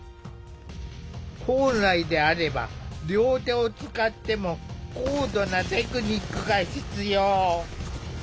本来であれば両手を使っても高度なテクニックが必要。